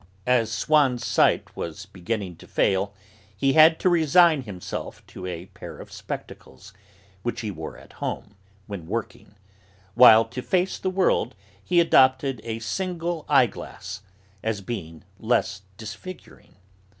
As Swann's sight was beginning to fail, he had to resign himself to a pair of spectacles, which he wore at home, when working, while to face the world he adopted a single eyeglass, as being less disfiguring.